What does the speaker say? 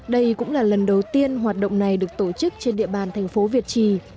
đây cũng là lần đầu tiên hoạt động này được tổ chức trên địa bàn thành phố việt trì